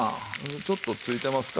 ちょっとついてますか？